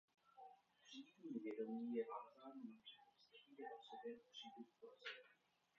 Třídní vědomí je vázáno na přechod z "třídy o sobě" na "třídu pro sebe".